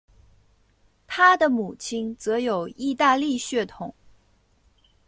他的母亲则有意大利血统。